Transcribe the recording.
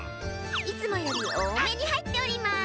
いつもよりおおめにはいっております！